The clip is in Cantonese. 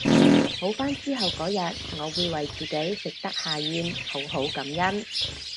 好返之後嗰日我會為自己食得下嚥好好感恩